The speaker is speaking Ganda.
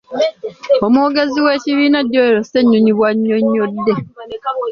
Omwogezi w’ekibiina Joel Ssennyonyi bw’annyonnyodde.